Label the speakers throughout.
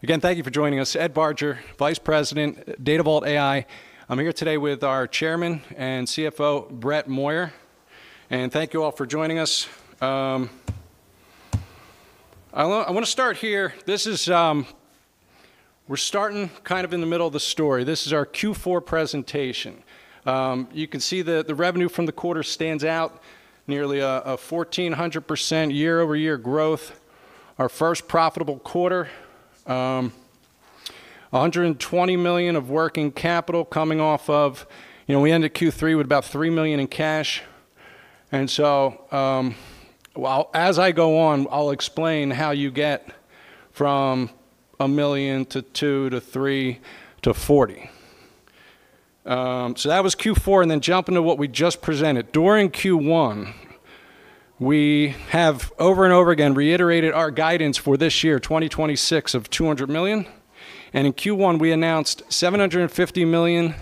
Speaker 1: Again, thank you for joining us. Ed Barger, Vice President, Datavault AI. I'm here today with our Chairman and CFO, Brett Moyer. Thank you all for joining us. I wanna start here. This is. We're starting kind of in the middle of the story. This is our Q4 presentation. You can see the revenue from the quarter stands out nearly a 1,400% year-over-year growth. Our first profitable quarter. You know, $120 million of working capital. We ended Q3 with about $3 million in cash. Well, as I go on, I'll explain how you get from $1 to 2 to 3 to 40 million. That was Q4, and then jumping to what we just presented. During Q1, we have over and over again reiterated our guidance for this year, 2026, of $200 million. In Q1, we announced $750 million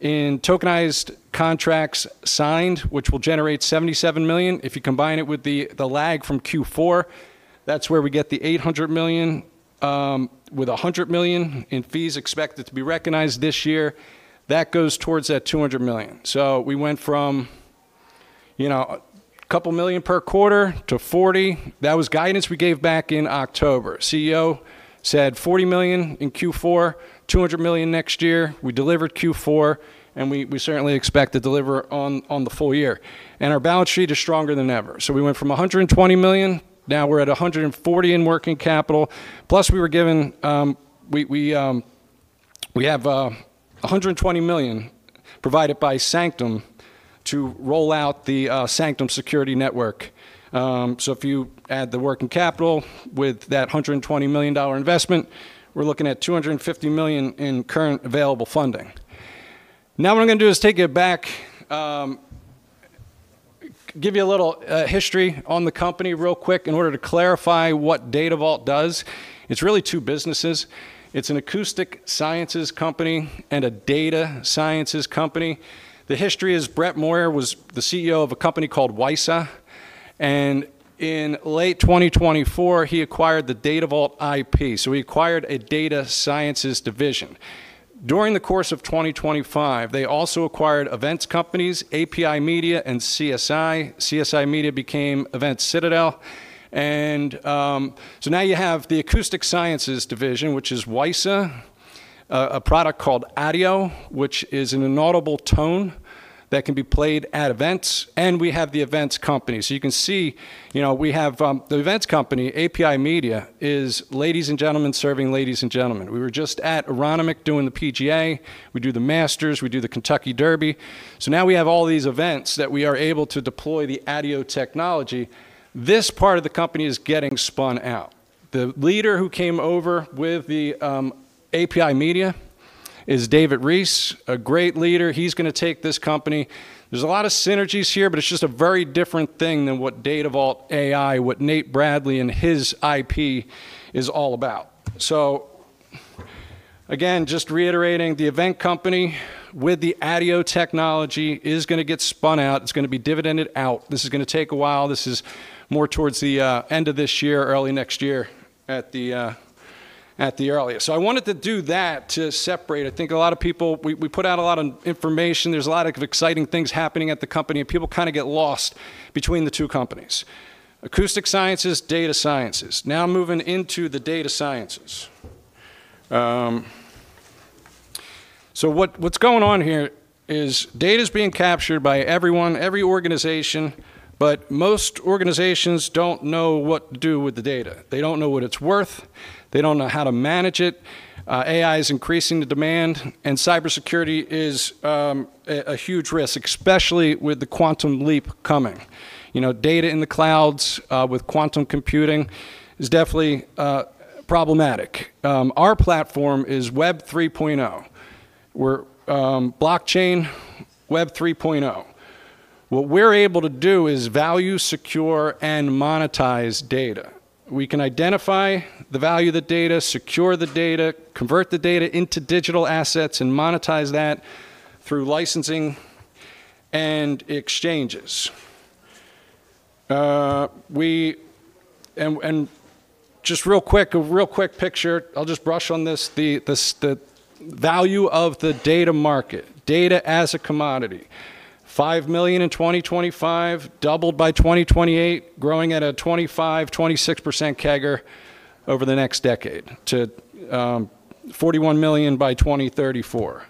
Speaker 1: in tokenized contracts signed, which will generate $77 million. If you combine it with the lag from Q4, that's where we get the $800 million, with $100 million in fees expected to be recognized this year. That goes towards that $200 million. We went from, you know, a couple million per quarter to $40 million. That was guidance we gave back in October. CEO said $40 million in Q4, $200 million next year. We delivered Q4, we certainly expect to deliver on the full-year. Our balance sheet is stronger than ever. We went from $120 million, now we're at $140 million in working capital. Plus, we have $120 million provided by Sanctum to roll out the Sanctum security network. If you add the working capital with that $120 million investment, we're looking at $250 million in current available funding. What I'm gonna do is take it back, give you a little history on the company real quick in order to clarify what Datavault does. It's really two businesses. It's an acoustic sciences company and a data sciences company. The history is Brett Moyer was the CEO of a company called WiSA, and in late 2024, he acquired the Datavault IP. He acquired a data sciences division. During the course of 2025, they also acquired events companies, API Media and CSI. CSI Media became Event Citadel. Now you have the acoustic sciences division, which is WiSA, a product called ADIO, which is an inaudible tone that can be played at events. We have the events company. You can see, you know, we have the events company, API Media, is ladies and gentlemen serving ladies and gentlemen. We were just at Aronimink doing the PGA. We do The Masters. We do the Kentucky Derby. Now we have all these events that we are able to deploy the ADIO technology. This part of the company is getting spun out. The leader who came over with the API Media is David Barnard, a great leader. He's gonna take this company. There's a lot of synergies here, but it's just a very different thing than what Datavault AI, what Nate Bradley and his IP is all about. Again, just reiterating, the event company with the ADIO technology is gonna get spun out. It's gonna be dividended out. This is gonna take a while. This is more towards the end of this year, early next year at the earliest. I wanted to do that to separate. We put out a lot of information. There's a lot of exciting things happening at the company, and people kinda get lost between the two companies. Acoustic sciences, data sciences. Now moving into the data sciences. What's going on here is data's being captured by everyone, every organization, but most organizations don't know what to do with the data. They don't know what it's worth. They don't know how to manage it. AI is increasing the demand, and cybersecurity is a huge risk, especially with the quantum leap coming. You know, data in the clouds, with quantum computing is definitely problematic. Our platform is Web 3.0. We're blockchain Web 3.0. What we're able to do is value, secure, and monetize data. We can identify the value of the data, secure the data, convert the data into digital assets, and monetize that through licensing and exchanges. Just real quick, a real quick picture. I'll just brush on this. The value of the data market, data as a commodity. $5 million in 2025, doubled by 2028, growing at a 25%-26% CAGR over the next decade to $41 million by 2034.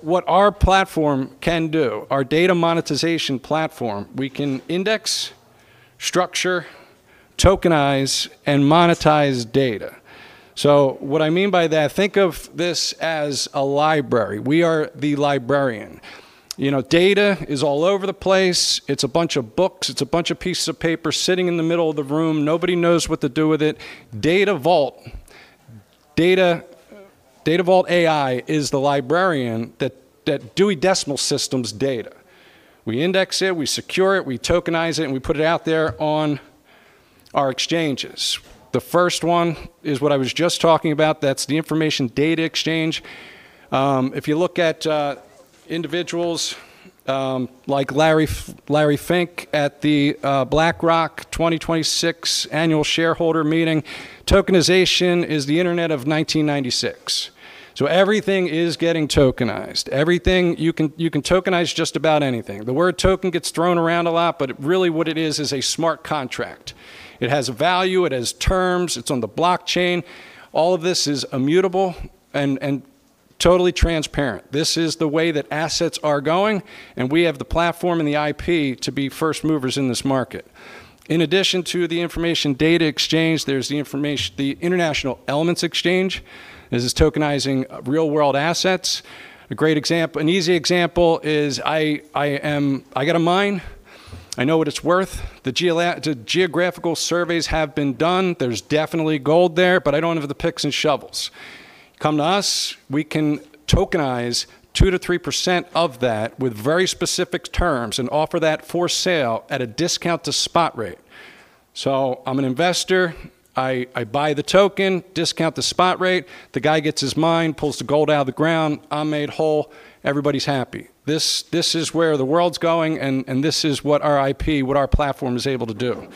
Speaker 1: What our platform can do, our data monetization platform, we can index, structure, tokenize, and monetize data. What I mean by that, think of this as a library. We are the librarian. You know, data is all over the place. It's a bunch of books. It's a bunch of pieces of paper sitting in the middle of the room. Nobody knows what to do with it. Datavault AI is the librarian that Dewey Decimal System data. We index it, we secure it, we tokenize it, and we put it out there on our exchanges. The first one is what I was just talking about. That's the Information Data Exchange. If you look at Individuals, like Larry Fink at the BlackRock 2026 annual shareholder meeting. Tokenization is the internet of 1996. Everything is getting tokenized. Everything You can, you can tokenize just about anything. The word token gets thrown around a lot, but really what it is is a smart contract. It has value, it has terms, it's on the blockchain. All of this is immutable and totally transparent. This is the way that assets are going, and we have the platform and the IP to be first movers in this market. In addition to the Information Data Exchange, there's the International Elements Exchange. This is tokenizing real-world assets. An easy example is I got a mine. I know what it's worth. The geographical surveys have been done. There's definitely gold there, but I don't have the picks and shovels. Come to us, we can tokenize 2% to 3% of that with very specific terms and offer that for sale at a discount to spot rate. I'm an investor, I buy the token, discount the spot rate. The guy gets his mine, pulls the gold out of the ground. I'm made whole, everybody's happy. This is where the world's going and this is what our IP, what our platform is able to do.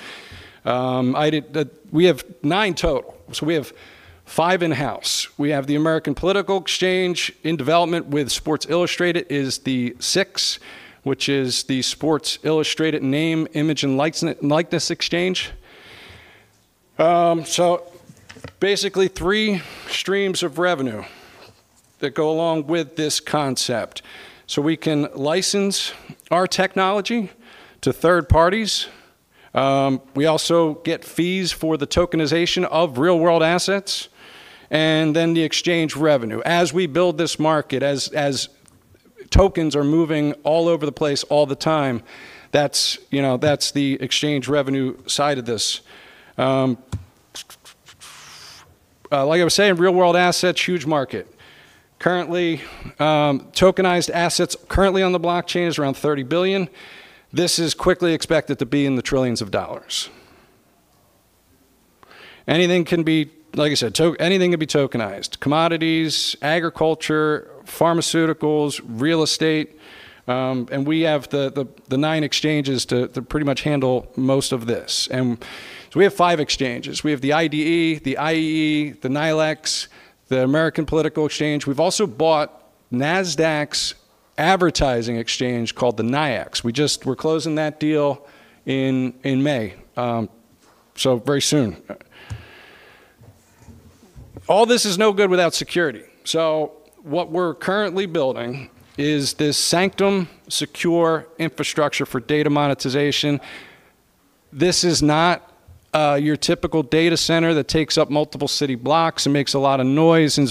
Speaker 1: We have nine total. We have five in-house. We have the American Political Exchange in development with Sports Illustrated is the six, which is the Sports Illustrated name, image, and likeness exchange. Basically three streams of revenue that go along with this concept. We can license our technology to third parties. We also get fees for the tokenization of real-world assets, the exchange revenue. As we build this market, as tokens are moving all over the place all the time, that's the exchange revenue side of this. Like I was saying, real-world assets, huge market. Currently, tokenized assets currently on the blockchain is around $30 billion. This is quickly expected to be in the trillions of dollars. Anything can be, like I said, anything can be tokenized: commodities, agriculture, pharmaceuticals, real estate. We have the nine exchanges to pretty much handle most of this. We have five exchanges. We have the IDE, the IEE, the NYIAX, the American Political Exchange. We've also bought Nasdaq's advertising exchange called the NYIAX. We're closing that deal in May, very soon. All this is no good without security. What we're currently building is this Sanctum secure infrastructure for data monetization. This is not your typical data center that takes up multiple city blocks and makes a lot of noise and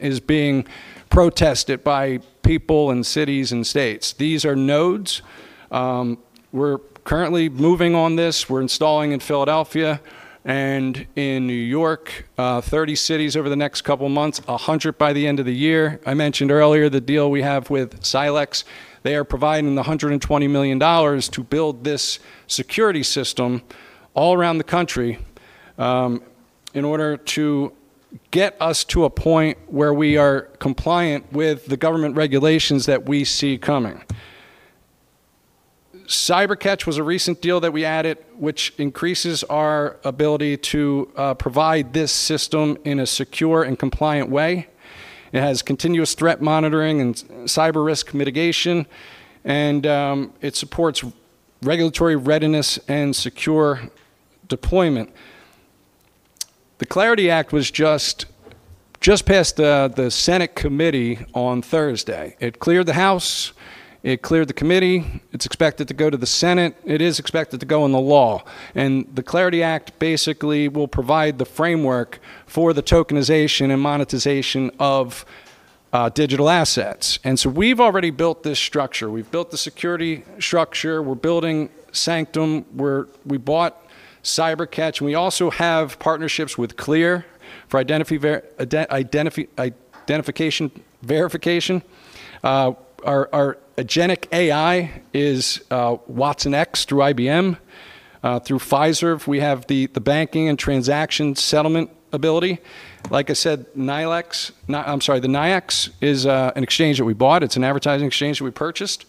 Speaker 1: is being protested by people and cities and states. These are nodes. We're currently moving on this. We're installing in Philadelphia and in New York, 30 cities over the next couple of months, 100 by the end of the year. I mentioned earlier the deal we have with Sanctum. They are providing the $120 million to build this security system all around the country in order to get us to a point where we are compliant with the government regulations that we see coming. CyberCatch was a recent deal that we added, which increases our ability to provide this system in a secure and compliant way. It has continuous threat monitoring and cyber risk mitigation, and it supports regulatory readiness and secure deployment. The Clarity Act was just passed the Senate committee on Thursday. It cleared the House. It cleared the committee. It's expected to go to the Senate. It is expected to go on the law. The Clarity Act basically will provide the framework for the tokenization and monetization of digital assets. We've already built this structure. We've built the security structure. We're building Sanctum. We bought CyberCatch, and we also have partnerships with CLEAR for identification verification. Our Agentic AI is watsonx through IBM. Through Fiserv, we have the banking and transaction settlement ability. Like I said, NYIAX is an exchange that we bought. It's an advertising exchange that we purchased.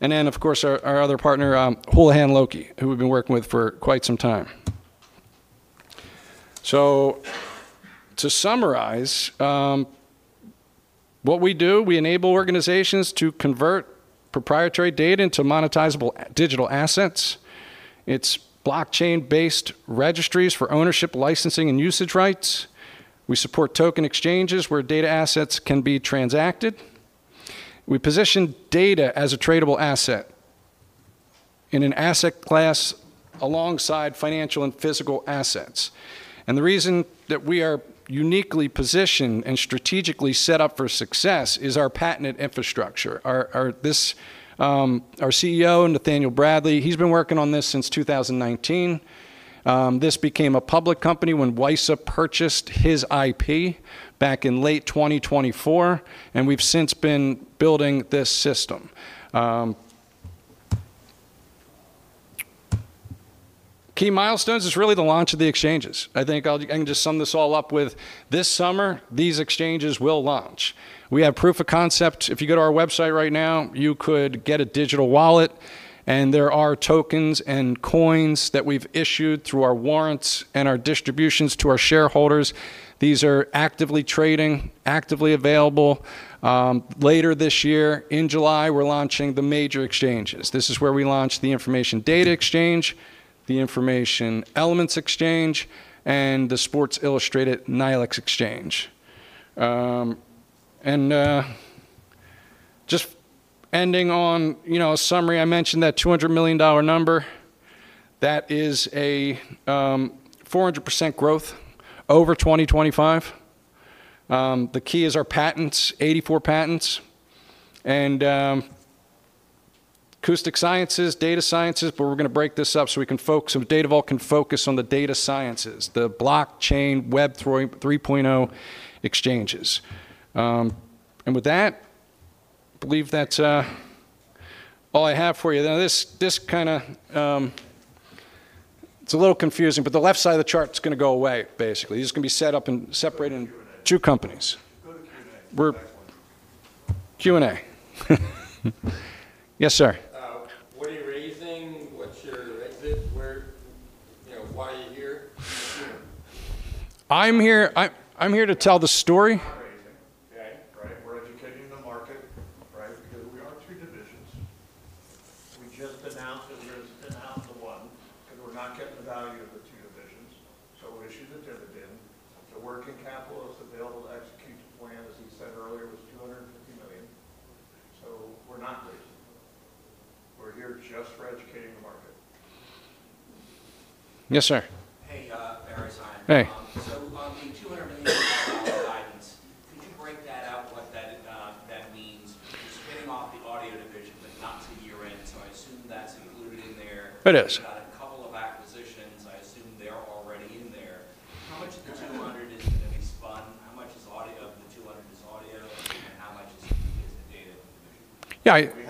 Speaker 1: Of course, our other partner, Houlihan Lokey, who we've been working with for quite some time. To summarize, what we do, we enable organizations to convert proprietary data into monetizable digital assets. It's blockchain-based registries for ownership, licensing, and usage rights. We support token exchanges where data assets can be transacted. We position data as a tradable asset in an asset class alongside financial and physical assets. The reason that we are uniquely positioned and strategically set up for success is our patented infrastructure. Our CEO, Nathaniel Bradley, he's been working on this since 2019. This became a public company when WiSA purchased his IP back in late 2024, we've since been building this system. Key milestones is really the launch of the exchanges. I can just sum this all up with this summer, these exchanges will launch. We have proof of concept. If you go to our website right now, you could get a digital wallet, there are tokens and coins that we've issued through our warrants and our distributions to our shareholders. These are actively trading, actively available. Later this year, in July, we're launching the major exchanges. This is where we launch the Information Data Exchange, the International Elements Exchange, the Sports Illustrated NYIAX Exchange. Just ending on, you know, a summary, I mentioned that $200 million number. That is a 400% growth over 2025. The key is our patents, 84 patents. Acoustic Sciences, Data Sciences, we're gonna break this up so Datavault can focus on the data sciences, the blockchain Web 3.0 exchanges. With that, believe that's all I have for you. This kinda, it's a little confusing, the left side of the chart's gonna go away, basically. It's gonna be set up and separated. Two companies. We're- Q&A. Yes, sir.
Speaker 2: What are you raising? What's your exit? Where, you know, why are you here?
Speaker 1: I'm here to tell the story.
Speaker 3: We are two divisions. We just announced that we're gonna spin out the one, because we're not getting the value of the two divisions. We'll issue the dividend. The working capital that's available to execute the plan, as he said earlier, was $250 million. We're not raising. We're here just for educating the market.
Speaker 1: Yes, sir.
Speaker 2: You're spinning off the audio division, but not till year-end, so I assume that's included in there.
Speaker 1: It is.
Speaker 4: You've got a couple of acquisitions. I assume they're already in there. How much of the 200 is gonna be spun? How much of the 200 is ADIO, and how much is the data division?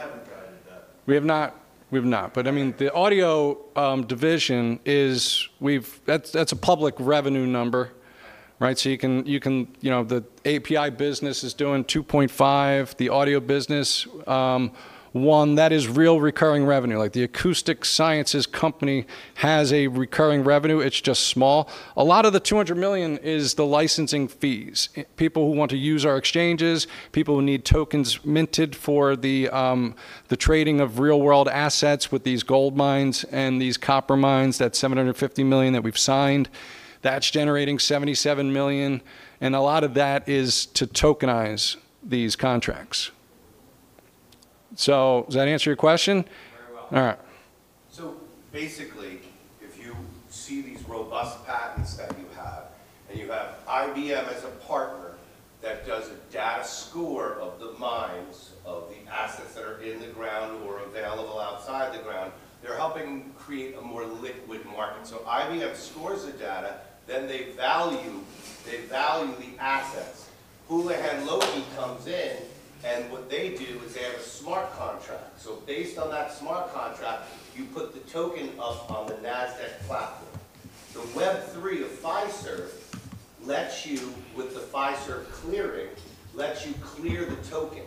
Speaker 1: We have not. We have not. I mean, the audio division, that's a public revenue number, right? You know, the API Media is doing $2.5. The audio business, $1. That is real recurring revenue. Like the Acoustic Sciences company has a recurring revenue. It's just small. A lot of the $200 million is the licensing fees, people who want to use our exchanges, people who need tokens minted for the trading of real-world assets with these gold mines and these copper mines. That $750 million that we've signed, that's generating $77 million, a lot of that is to tokenize these contracts. Does that answer your question?
Speaker 4: Very well.
Speaker 1: All right.
Speaker 5: Basically, if you see these robust patents that you have, and you have IBM as a partner that does a DataScore of the mines of the assets that are in the ground or available outside the ground, they're helping create a more liquid market. IBM scores the data, then they value the assets. Houlihan Lokey comes in, what they do is they have a smart contract. Based on that smart contract, you put the token up on the Nasdaq platform. The Web 3.0 of Fiserv lets you, with the Fiserv clearing, lets you clear the token.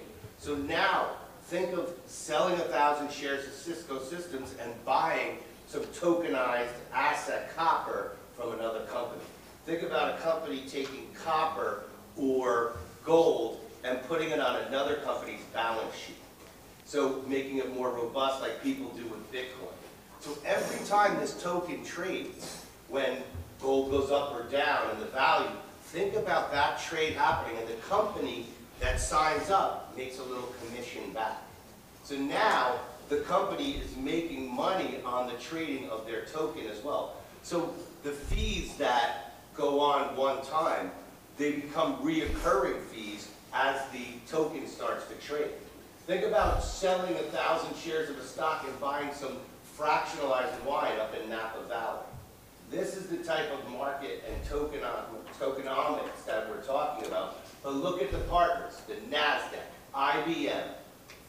Speaker 5: Now think of selling 1,000 shares of Cisco Systems and buying some tokenized asset copper from another company. Think about a company taking copper or gold and putting it on another company's balance sheet, so making it more robust like people do with Bitcoin. Every time this token trades, when gold goes up or down in the value, think about that trade happening and the company that signs up makes a little commission back. Now the company is making money on the trading of their token as well. The fees that go on one time, they become reoccurring fees as the token starts to trade. Think about selling 1,000 shares of a stock and buying some fractionalized wine up in Napa Valley. This is the type of market and tokenomics that we're talking about. Look at the partners, the Nasdaq, IBM,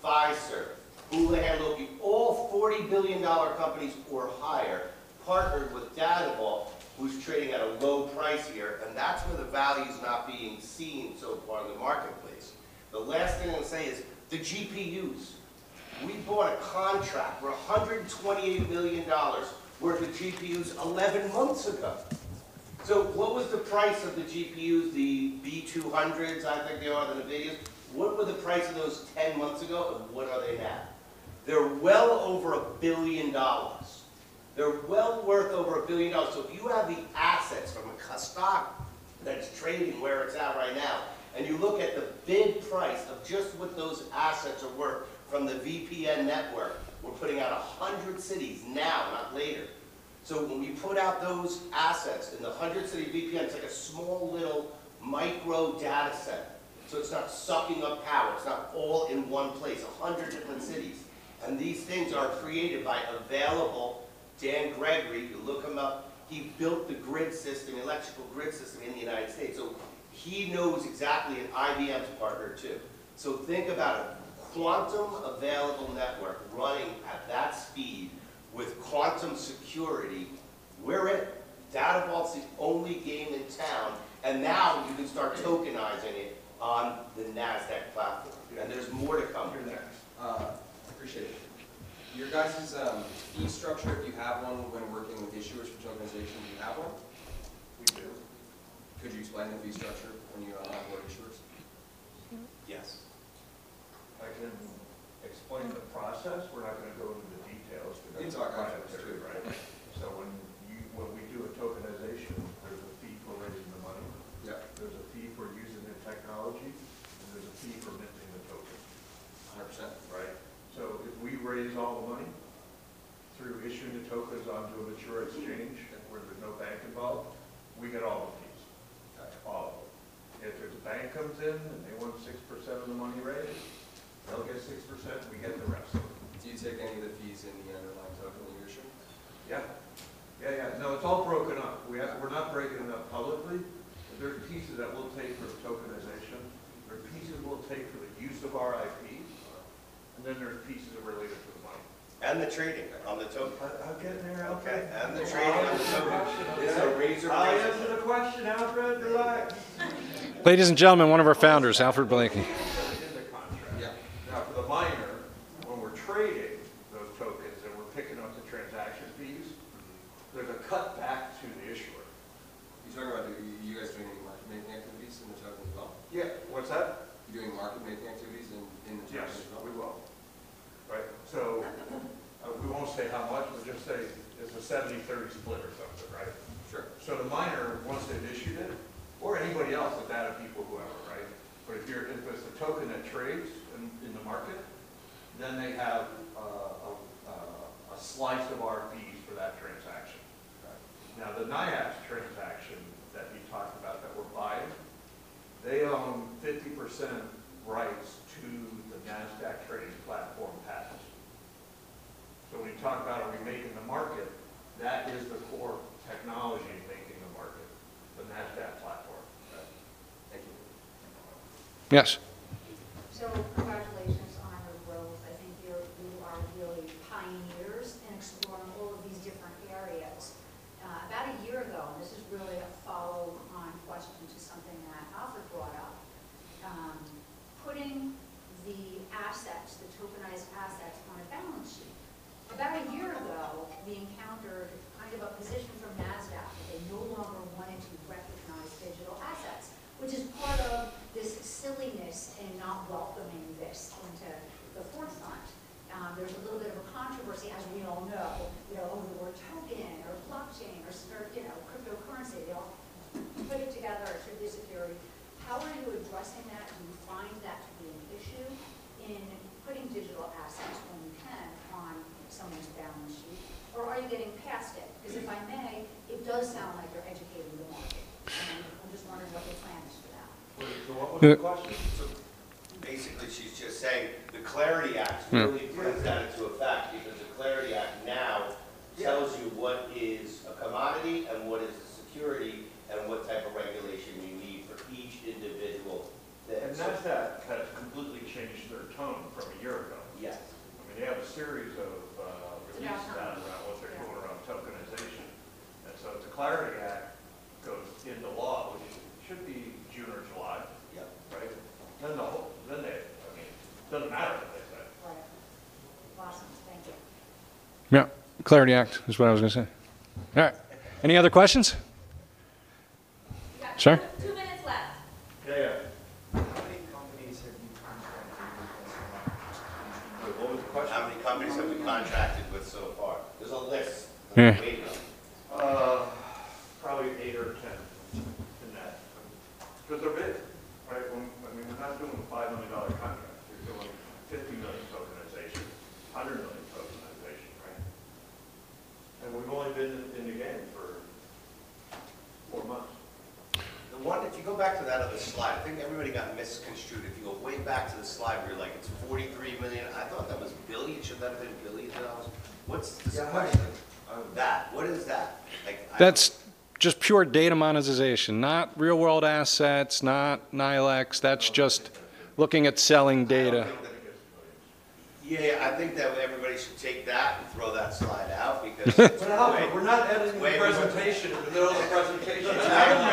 Speaker 5: Fiserv, Houlihan Lokey, all $40 billion companies or higher partnered with Datavault AI, who's trading at a low price here, and that's where the value's not being seen so far in the marketplace. The last thing I'll say is the GPUs. We bought a contract for $128 million worth of GPUs 11 months ago. What was the price of the GPUs, the B200s I think they are, they're the biggest. What were the price of those 10 months ago, and what are they now? They're well over $1 billion. They're well worth over $1 billion. If you have the assets from a stock that's trading where it's at right now, and you look at the bid price of just what those assets are worth from the DePIN network, we're putting out 100 cities now, not later. When we put out those assets in the 100-city DePIN, it's like a small little micro data set. It's not sucking up power. It's not all in one place, 100 different cities. These things are created by Available Infrastructure Dan Gregory. You look him up. He built the grid system, electrical grid system in the United States, so he knows exactly, and IBM's a partner too. Think about a quantum available network running at that speed with quantum security, we're it. Datavault AI's the only game in town, and now you can start tokenizing it on the Nasdaq platform. There's more to come.
Speaker 3: You're next.
Speaker 2: Appreciate it. Your guys's fee structure, if you have one, when working with issuers for tokenization. Do you have one?
Speaker 1: We do.
Speaker 2: Could you explain the fee structure when you onboard issuers?
Speaker 1: Sure. Yes. I can explain the process. We're not gonna go into the details.
Speaker 2: You talk.
Speaker 3: that's proprietary.
Speaker 6: Right.
Speaker 3: When we do a tokenization, there's a fee for raising the money.
Speaker 2: Yeah.
Speaker 3: There's a fee for using the technology, and there's a fee for minting the token.
Speaker 2: 100%, right.
Speaker 3: If we raise all the money through issuing the tokens onto a mature exchange, where there's no bank involved, we get all the fees.
Speaker 2: Gotcha.
Speaker 3: All of them. If there is a bank comes in and they want 6% of the money raised, they will get 6%, we get the rest.
Speaker 2: Do you take any of the fees in the underlying token issuance?
Speaker 3: Yeah. Yeah, yeah. No, it's all broken up. We're not breaking it up publicly, but there are pieces that we'll take for tokenization. There are pieces we'll take for the use of our IP.
Speaker 2: Sure.
Speaker 3: There are pieces that are related to the mining.
Speaker 5: The trading on the token.
Speaker 3: I'll get there.
Speaker 5: The trading on the token.
Speaker 3: I'll answer the question.
Speaker 5: It's a razor's edge.
Speaker 3: I'll answer the question. Alfred, relax.
Speaker 1: Ladies and gentlemen, one of our founders, Alfred Blair Blaikie III.
Speaker 3: Now, for the miner, when we're trading those tokens and we're picking up the transaction fees. There's a cut back to the issuer.
Speaker 2: You talking about do you guys doing any market making activities in the token as well?
Speaker 3: Yeah. What's that?
Speaker 2: You doing market making activities in the token as well?
Speaker 3: Yes, we will. Right. We won't say how much, but just say it's a 70/30 split or something, right?
Speaker 2: Sure.
Speaker 3: The miner, once they've issued it, or anybody else, the Data people, whoever, right? If it's a token that trades in the market, then they have a slice of our fees for that transaction.
Speaker 2: Right.
Speaker 3: The NYIAX transaction that he talked about that we're buying, they own 50% rights to the Nasdaq trading platform patents. When we talk about are we making the market, that is the core technology making the market, the Nasdaq platform.
Speaker 5: the question?
Speaker 3: Basically, she's just saying the Clarity Act. really puts that into effect because the CLARITY Act.
Speaker 5: Yeah
Speaker 3: Tells you what is a commodity and what is a security and what type of regulation you need for each individual. Nasdaq has completely changed their tone from a year ago.
Speaker 5: Yes.
Speaker 3: I mean, they have a series of, release status-
Speaker 6: Yeah
Speaker 3: Around what they're doing around tokenization. The CLARITY Act goes into law, which should be June or July.
Speaker 5: Yeah.
Speaker 3: Right? They, I mean, it doesn't matter what they say.
Speaker 7: Right. Awesome. Thank you.
Speaker 1: Yeah. Clarity Act is what I was going to say. All right. Any other questions? Sure.
Speaker 6: We got two minutes left.
Speaker 5: Yeah, yeah.
Speaker 2: How many companies have you contracted with so far?
Speaker 3: Probably eight or 10 in that. 'Cause they're big, right? I mean, we're not doing $5 million contracts. We're doing $50 million tokenizations, $100 million tokenizations, right? We've only been in the game for four months.
Speaker 5: The one, if you go back to that other slide, I think everybody got misconstrued. If you go way back to the slide where you're like, "It's $43 million," I thought that was billion. Should that have been billion dollars?
Speaker 3: Yeah.
Speaker 5: That. What is that? Like.
Speaker 1: That's just pure data monetization, not real-world assets, not NYIAX. That's just looking at selling data.
Speaker 5: Yeah, I think that everybody should take that and throw that slide out because.
Speaker 3: Alfred, we're not editing the presentation in the middle of the presentation. On our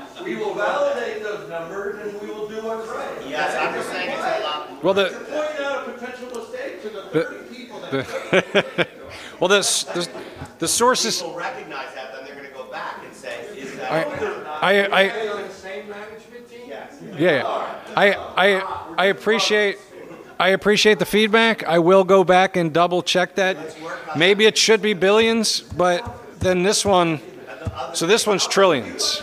Speaker 3: notes, we will validate those numbers, and we will do what's right.
Speaker 1: I appreciate the feedback. I will go back and double-check that. Maybe it should be billions. This one's trillions.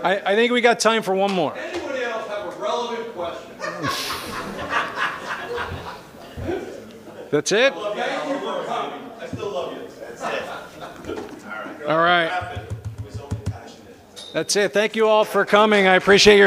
Speaker 1: I think we got time for one more. That's it?
Speaker 6: All right.
Speaker 1: That's it. Thank you all for coming. I appreciate your ti-